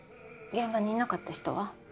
現場にいなかった人は？